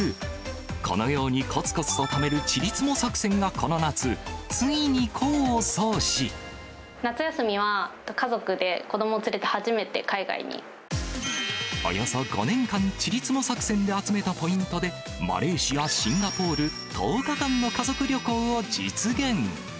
このようにこつこつと貯めるちりつも作戦がこの夏、ついに功を奏夏休みは家族で、こども連れおよそ５年間、ちりつも作戦で集めたポイントで、マレーシア、シンガポール１０日間の家族旅行を実現。